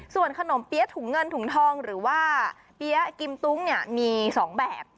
ส่วนขนมเปี๊ยะถุงเงินถุงทองหรือว่าเปี๊ยะกิมตุ้งเนี่ยมี๒แบบ